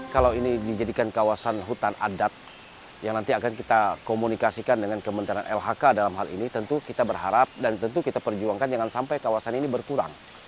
kalau ini dijadikan kawasan hutan adat yang nanti akan kita komunikasikan dengan kementerian lhk dalam hal ini tentu kita berharap dan tentu kita perjuangkan jangan sampai kawasan ini berkurang